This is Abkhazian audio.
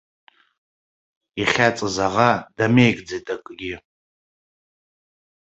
Ихьаҵыз аӷа дамеигӡеит акгьы.